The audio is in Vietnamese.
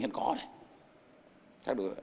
hiện có này